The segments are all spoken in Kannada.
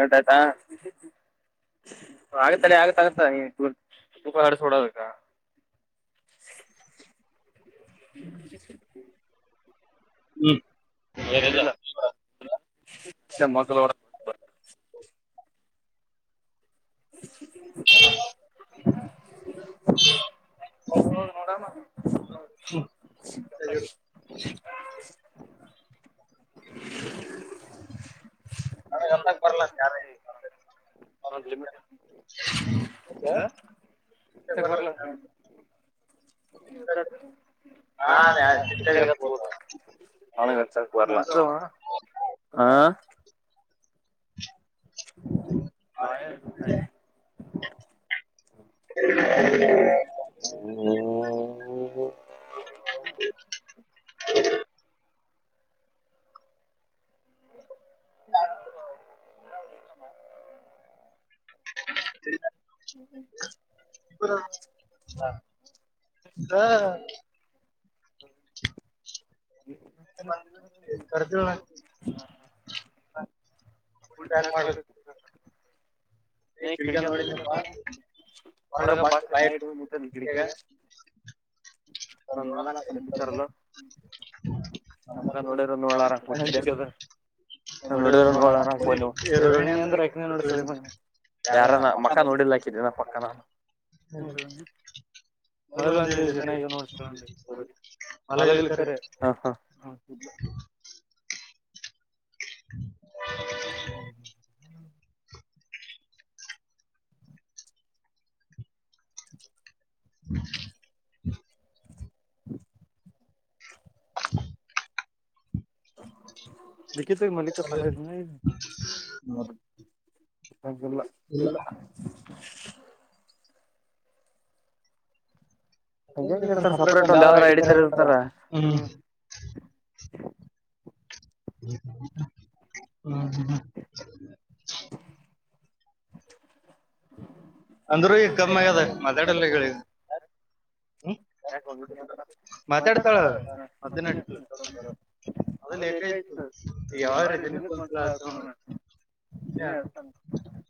ಎೌಟದಾ ಆಗತ ಆಗತಗತ ತೂಕ ಆಡ್ಸಡಬೇಕ ಹ ಹ್ಮ್ಿಲ್ಲ ಮಳ ಹ ಹ ನೋಡ ಮ ಅತ್ತ ಬಲ್ಲ ನಾ ಚಕ್ಕಗತ್ ಹೋಗದ ಬ ಹ ಹಾಯ ಹ್ಮ ಹ ಹೌ ಹ್ಮ ಹೌ ದ ು ಚಾರ್ ಮಾಡಬೇಕ ನೀ ಿಡಿಕ ಬ ಹೊರಗ ಬಾ ನಟ ಮುಟ್ಟೆ ಿಡಿಕಾಗ ಒಂದು ನೋಡೋದ ಕ ಬಿತಾರಲ್ಲ ನಮಗ ನೋಡರ ನೋಳಾರ ಡ ಹೋಳಾರ ಹ ರೋಹಿಣಿ ಅಂದ್ರ ರಕನ ನೋಡ್ಸ ಮಿ ಯಾರ ನ ಮಕ್ಕ ನೋಡಿಲ್ಾಕಿದ್ದ ನಾ ಪಕ್ಕ ನ ಮೊದಲ್ ಒಂದ್ ದಿವಸ ಜನ ಲ ಕ ಹ್ಮ ಹ್ಮ್ ಹ್ಮ ಹ ನಿಿಖಿತ ಮಲ್ಲಿಿಕ ಕ ಸಾಲ ಹಾಗಲ್ಲ ಇಲ್ಲ ಹ ಹೆಂಗ ಇರ್ತಾರ ಸಪ್ರೇಟ್ ಒಂದ್ ಯಾವ್ದ್ರ ಹಡಿತಾರ ಇರ್ತಾರ ಹ್ಮ್ ಹ ಅಂದ್ರೂ ಈ ಕಮ್ಮಿ ಅದ ಮತಾಡೆಲ್ಲಿ ಹ್ಮ ಯಾಕ ಹೋಗಿದೇ ಮಾತಾಡ್ತಾವ [inaudible] ಮ ಲೆಕ್ಕಾಯತ್ತು ಯಾವಾರ ನಿಕ್ [inaudible] ಮಸಲ ಆತತ [unintelligible]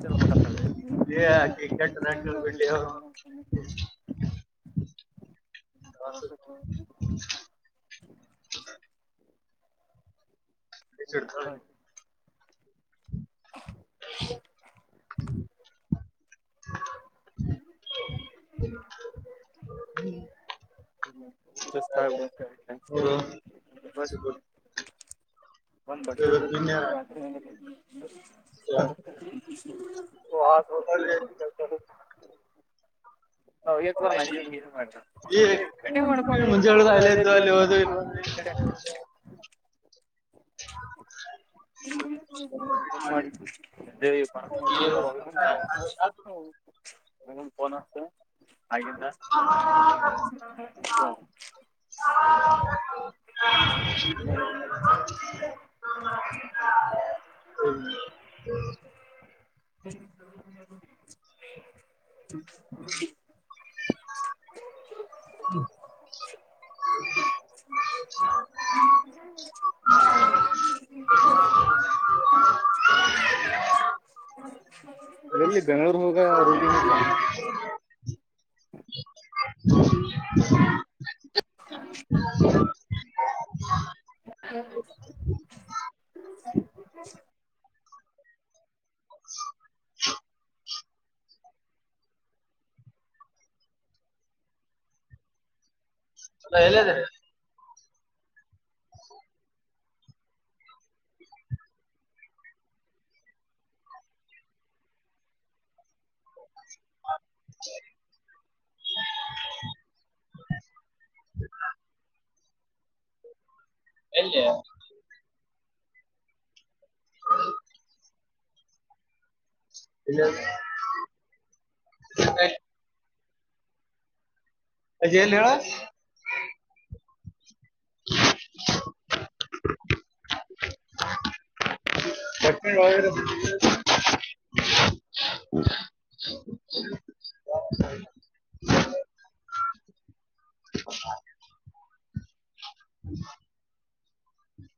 ಚ ಮತ [inaudible] [inaudible] ಹ ಹ [inaudible] ಹ್ಮ [inaudible] ಸ್ತ [unintelligible] [inaudible] ಒಂದ್ ಬಟ್ಟೆ ಓಗಿ [inaudible] [inaudible] [unintelligible] [inaudible] [unintelligible] [inaudible] [unintelligible] [inaudible] [unintelligible] [inaudible] ತ್ತ [inaudible] [inaudible] ಮಾಡ [inaudible] [unintelligible] [inaudible] ಫೋನ್ ಹಚ್ಚ [inaudible] [inaudible] [inaudible] ಹ [inaudible] [unintelligible] ಹ್ಮ [inaudible] [inaudible] ಹ್ಮ [unintelligible] [inaudible] [inaudible] ಹಕ್ಷ [unintelligible] [inaudible] ಎಲ್ಲಿ ಗಣ ೋಗ [inaudible] ರೋಟಿ ಮಸ [unintelligible] ಹ [inaudible] [inaudible] ಎಲ್ಲಿದಿರಿ [inaudible] [inaudible] ಎಲ್ಲಿ ಹ್ಮ [inaudible] ಇಲ್ಲ [inaudible] ಅದೇ ಏನ್ ಹೇಳ್ [inaudible] ಪನಿ ಆರ [inaudible] [unintelligible] [inaudible]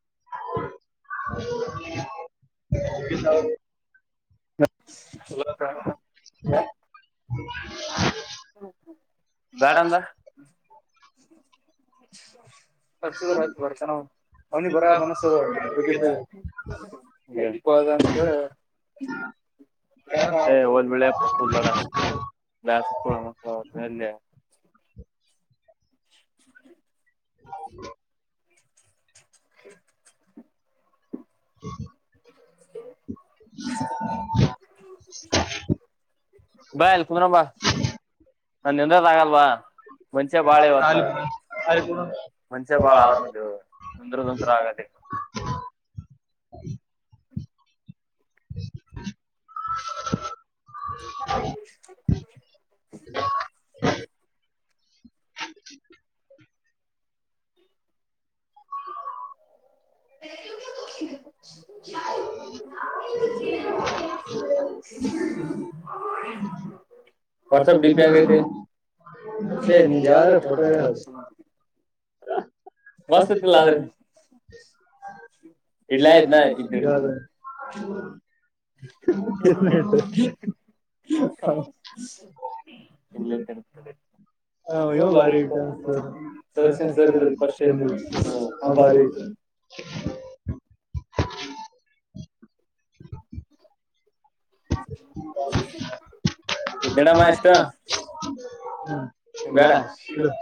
[unintelligible] [inaudible] ಲ [inaudible] [inaudible] ಬೇಡ ಅಂದ ರ್ಚುರ ಬರ್ತನ [inaudible] ಅವ್ನಿಗೆ ಬರ [unintelligible] ದ ಬಿಳ ಪಕ್ಕು [unintelligible] ಲಡಾ ದಾಸಪ್ಪುಳ [inaudible] ಮತ್ತ ಅಲ್ಲ [inaudible] [inaudible] ಹ್ಮ [inaudible] ಹ್ಮ [inaudible] [inaudible] ಬಾ ಇಲ್ ಕುಂದ್ರ ಬಾ ನ [unintelligible] ನಿಂದದ ಆಗಲ್ವಾ ಮಂಚೆ ಬಾಳ ಇವತ್ತ ಮುಂಚೆ ಬಾಳ ಆರಾಮದವ ನೊಂದ್ರ ನೊಂತರ ಆಗದ [inaudible] [inaudible] [inaudible] [inaudible] ವಾಟ್ಸಪ್ಪ್ ಡಿಪಿ ಆಗಿತೆ [unintelligible] ಯಾರು [inaudible] ಬಸ್ತಿಲ್ಲ ಆದ್ರೆ ಇಲ್ಲ ಆಯ್ತನಾ ಇದ್ದ [inaudible] [inaudible] [unintelligible] ಇಲ್ಲ ನೀ ಬಾರಿ ಆಐತ [inaudible] ಸಸ ಸ ಪ ಬಾರಿ [inaudible] ಇದ್ದಡಮ್ಮ ಎಷ್ಟು ಹ್ಮ ಬಡ ಇ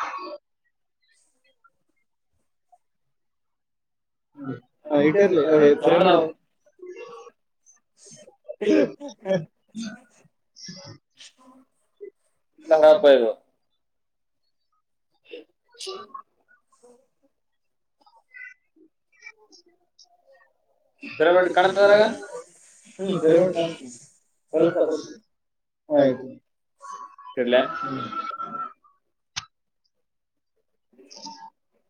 ಹ ಹ ಇಟ್ಟರ್ಲಿ [inaudible] [inaudible] [unintelligible] ಇದು [inaudible] ಪಿರಮಿಡ್ ಕಾಣತಅದರಾಗ ಹ್ಮ್ ಪಿರಮಿಡ್ [unintelligible] ಸ್ವಲ್ಪ ಹು ಆಯ್ತು ಇಡ್ಲ್ಯಾ [inaudible]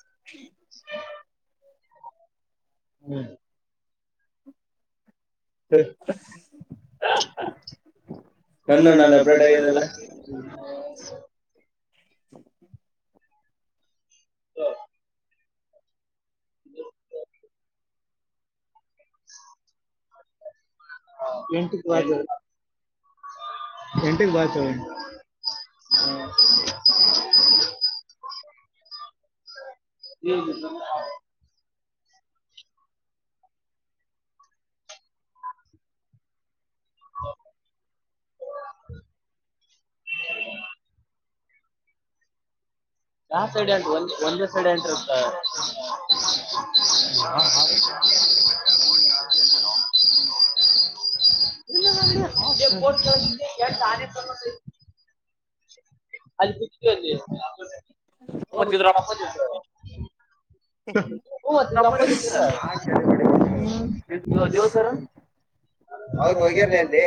[inaudible] ಹ ಹ್ಮ್ ಹ ನಂದ ನೋ ಅದು ಅಪ್ಡೇಟ್ ಆಗಿದೆಲ್ಲ ಹ ಹ್ಮ ಹ ಹ ಎಂಟ ಎಂಟನ್ ಬ ಹ ಹ್ಮ ಹ ಯಾವ ಸೈಡ್ ಉಂಟ ಒಂದ ಒಂದೇ ಸೈಡ್ ಎಂಟ್ರತ ಹ ಇಲ್ಲ ನಂಗಡಿ ಎರಡ್ ತಾನ ತ ಹ ಅಲ್ಲಿ ಪಪತ ಹ ಅವದ ಹೋಗಿಲ್ಲ ಅಲ್ಲಿ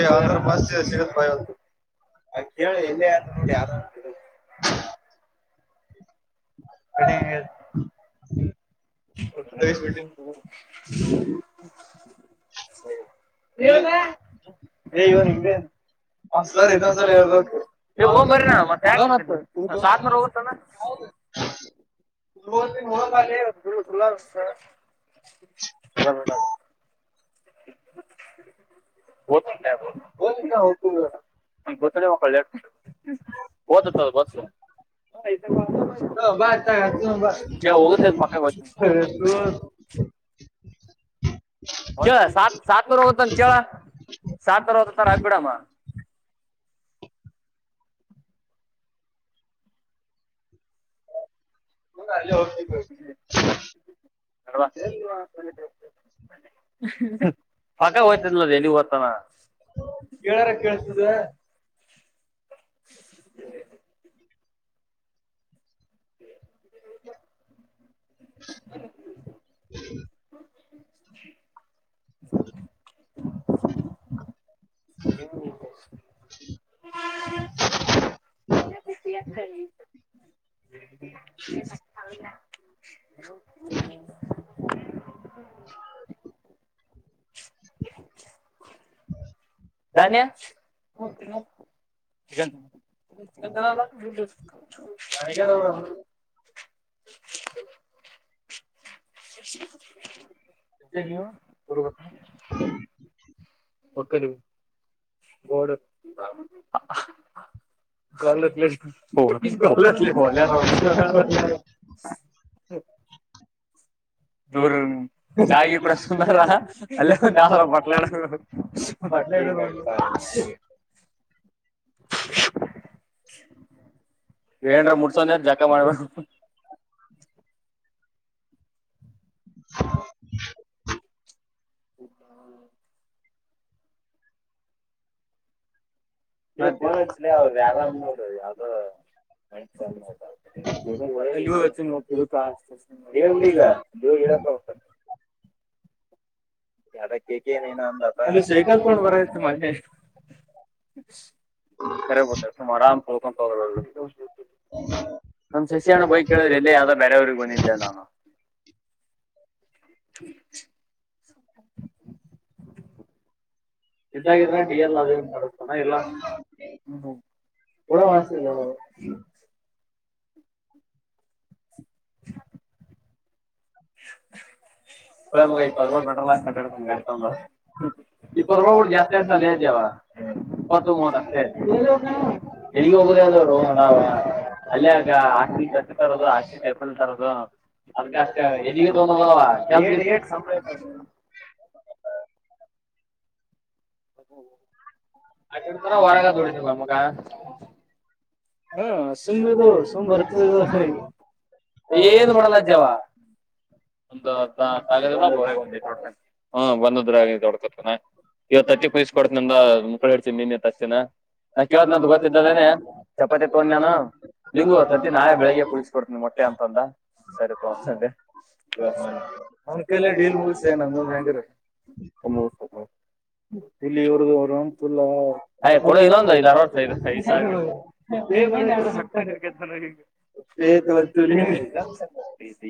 ಎ ಅಂಗ್ರ ಪಸ್ತಿಸಗ ಭ ಆಖೆಳ ಇಲ್ಲ ಜ ಅ ನಕ ನಿಗೆೇ ಮ ಇದ ಬರತ್ ಮ ಹೋಗ ನೂರು ದಿನ ಹೋಗಂಬನೇ ಒು ಲ್ಲ ೋಗ ಗತ್ಣಿ ಮಕ್ಕಳು ಹೇು ಓದ ಗೊತ್ತು ಜ ೋಗತ ಮಕಾ ಚ ಸಾ ಸಾತ್ನೂರ ಅವನ ಚೇಳ ಸಾಾವ ನೂರ ಅವ ತನ ಆಗ್ಬಿಡಮ್ಮ ಮ ಅ ಹ ಗ ಬ ಹ ಪಕ್ಕ ಹೋ್ತದಗ್ ಹ್ತಾನತ ಹ ಹ ಹ [inaudible] ಹ್ಮ ಹ ಹ್ಮ ಹ ಧಾನ್ಯ ಎ ಮಗಾರ ಅವರು ಅವರು ಜ ನೀ ಗರು ಕಖಾ ಒಕ್ಕರಿ ಬೋ ಗೌಲತ್ ಹ ಗಲ ಹೊ ಹ್ಮ ದೂರ ಚಾಗ ಕೂಡ ಸುಂದರ ಅಲ್ಲೇ ಒಂದು ಆರ ಬಟ್ಟಲಡ ಬ [inaudible] ಏನ್ ಮುಡ್ಸನ್ಯ ಜಾಕ ಮಾಡ್ಬೇಕ. [inaudible] ಹ್ಮ ನಲಿ ಯಾರ ನೋಡದು ಯಾವ್ದೋ [unintelligible] ಮ ದೇಗ ದೇವ ಇ [inaudible] ಯಾರಕ್ಕೇಕ ಏನೇನ ಅಂದ ಅಲ್ಲಿ ಶೇ ಕತ್ಕೊಂಡ್ ಬರತಿ ಮನ್ನೆ. ಸರಿ ಗಟ್ಟ ಸುಮ್ ಆರಾಮ್ ತಳ್ಕೊ ಹ. ನಮ್ ಸಸಿಹಣ್ಣ ಬೈಕ್ ಕೇಳಿದ್ರೆ ಎಲ್ಲೇ ಯಾವ್ದ ಬೇರೆಯವ್ರಗ ಬಂದಿಲ್ಲೆಲ್ಲ ನಾನು. ಹ ಇದಾಗಿದ್ರ ಡಿ ಎಲ್ ಅದಂತ ಮಾಡಡತಾನ ಎಲ್ಲ [unintelligible] ಹ್ಮ ಹ್ಮ ಕೊಡೊ ಮನ್ಸಿಲ್ಲೊ [inaudible] ಹಳ ಮಗ ಇಪ್ಪತ್ತು ರೂಪಾಯಿ ಪೆಟ್ರೋಲ್ ಅಡ್ಡಿಯಾಡ್ತನ ಗಾಡಿ ತಗೊಂಡ್ ಇಪ್ಪತ್ತು ರೂಪಾಯಿ ಬಿಟ್ಟ ಜಾಸ್ತಿ ಆತ್. ಇಪ್ಪತ್ ಮೂವತ್ತು ಅಸ್ಟೇ [inaudible] ಅಲ್ಲೀಗ ಆ ಕಚ್ಚ ತರೋದು ಆಶಪ ತರೋದು ಅ ಅ ಎದಿಗೆ ತೋ ಹೋಗಲ್ವಾ. ಗ [unintelligible] [inaudible] [unintelligible] ಹೊರಗ ದುಡಿತನ್ ಮಗ ಹ್ಮ ಸುಮ್ಮ್ಗ ಸುಮ್ ಬರ್ತದ ಏನ್ [unintelligible] ಮಂಡಂಗಿಲ ಅವ. [unintelligible] ಒಂದುದಿಲ್ಲ ಹ್ಮ ಬಂದದ್ರೊಡ್ಕತಾನ ಇವತ್ತ್ತುಚ್ಚಿ ಕುಸ ಕೊಡ್ತನಂದ ಮುಕ್ಳು ಹೇಡ್ತೀನಿ ನಿನ್ನೆ ತಚ್ಚನ ನಾ ಕವ ನ್ದ ಗೊತ್ತಿದ್ದದನೆ ಚಪತ್ ತಗೊಂಡೆನ. ಲಿಂಗು ತತ್ತಿ ನಾಳೆ ಬೆಳಿಗ್ಗೆ ಕುಡಿಸಿಕೊಡ್ತೀನಿ ನ ಮಟ್ಟೆ ಅಂತ ಅಂದ ಸರಿ ಪ. ಅವನ್ ಕಲ್ಲ ಡೀಲ್ ಮುಗಸ ನ ಹೆಂಗರ. [inaudible] ಸ